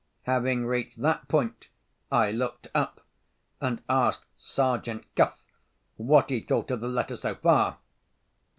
Having reached that point, I looked up, and asked Sergeant Cuff what he thought of the letter, so far?